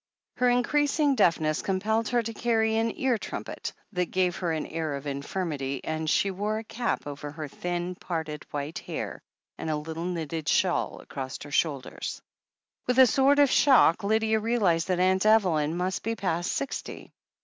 Her increasing deafness compelled her to carry an ear trumpet, that gave her an air of infirmity, and she wore a cap over her thin, parted, white hair, and a little knitted shawl across her shoulders. THE HEEL OF ACHILLES 429 With a sort of shock, Lydia realized that Aunt Evelyn must be past sixty.